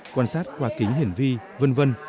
quan sát qua kính hiển vi v v